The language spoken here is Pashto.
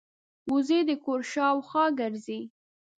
وزې د کور شاوخوا ګرځي